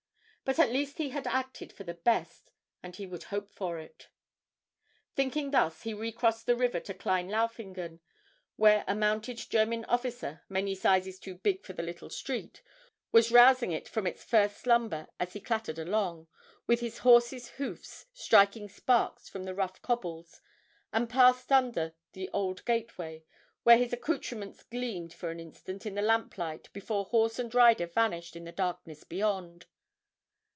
But at least he had acted for the best, and he would hope for it. Thinking thus, he recrossed the river to Klein Laufingen, where a mounted German officer, many sizes too big for the little street, was rousing it from its first slumber as he clattered along, with his horse's hoofs striking sparks from the rough cobbles, and passed under the old gateway, where his accoutrements gleamed for an instant in the lamplight before horse and rider vanished in the darkness beyond.